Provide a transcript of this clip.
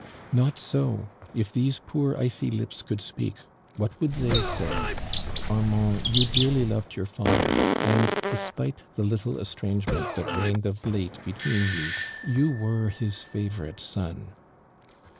" Not so. if these poor icy lips could speak, what would they say ? Armand, you dear ly loved your father, and despite the little estrangement that reigned of late between you, you were his favorite son."